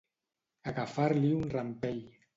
Agafar-li un rampell.